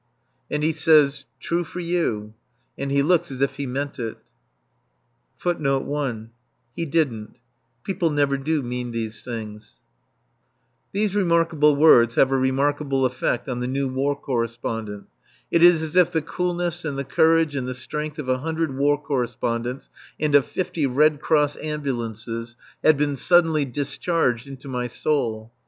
And he says, "True for you." And he looks as if he meant it. These remarkable words have a remarkable effect on the new War Correspondent. It is as if the coolness and the courage and the strength of a hundred War Correspondents and of fifty Red Cross Ambulances had been suddenly discharged into my soul.